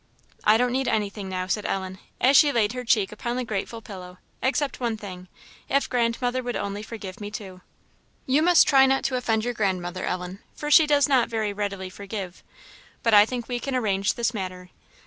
"I don't need anything now," said Ellen, as she laid her cheek upon the grateful pillow, "except one thing if grandmother would only forgive me too." "You must try not to offend your grandmother, Ellen, for she does not very readily forgive; but I think we can arrange this matter.